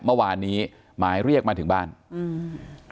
เมื่อวานนี้หมายเรียกมาถึงบ้านอืม